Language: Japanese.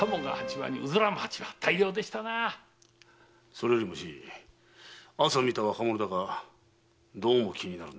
それよりも朝見た若者だがどうも気になるのだ。